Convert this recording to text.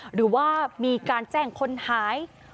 หรือว่ามีการแจ้งคนหาย